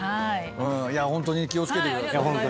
ホントに気を付けてください。